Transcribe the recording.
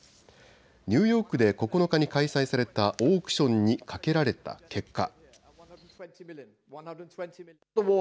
ニューヨークで９日に開催されたオークションにかけられた結果。